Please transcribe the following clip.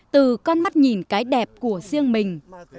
từ con mắt nhìn cái đẹp của riêng mình